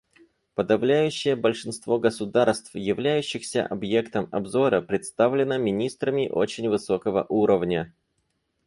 Подавляющее большинство государств, являющихся объектом обзора, представлено министрами очень высокого уровня.